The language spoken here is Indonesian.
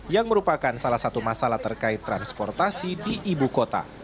yang merupakan salah satu masalah terkait transportasi di ibu kota